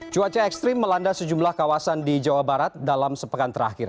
cuaca ekstrim melanda sejumlah kawasan di jawa barat dalam sepekan terakhir